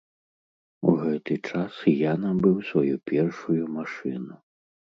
У гэты час я набыў сваю першую машыну.